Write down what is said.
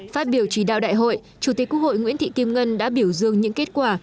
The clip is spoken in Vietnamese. phát biểu chỉ đạo đại hội chủ tịch quốc hội nguyễn thị kim ngân đã biểu dương những kết quả